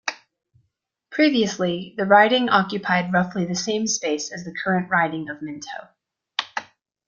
Previously, the riding occupied roughly the same space as the current riding of Minto.